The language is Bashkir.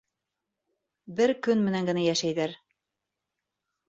— Бер көн менән генә йәшәйҙәр.